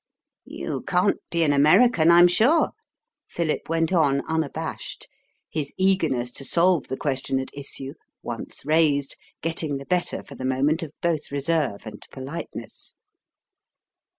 "You can't be an American, I'm sure," Philip went on, unabashed, his eagerness to solve the question at issue, once raised, getting the better for the moment of both reserve and politeness.